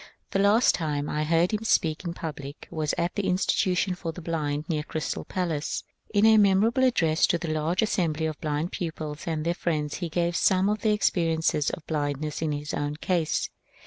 The last time I heard him speak in public was at the institution for the blind near the Crys tal Palace. In a memorable address to the large assembly of blind pupils and their friends he gave some of the experi ences of blindness in his own case.